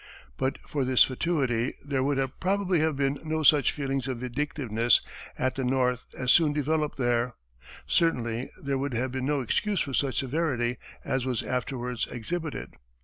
But for this fatuity, there would probably have been no such feeling of vindictiveness at the North as soon developed there; certainly there would have been no excuse for such severity as was afterwards exhibited.